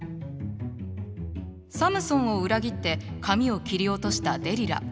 サムソンを裏切って髪を切り落としたデリラ。